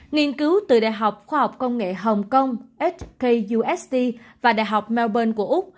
nghiên cứu từ đại học khoa học công nghệ hồng kông hkust và đại học melbourne của úc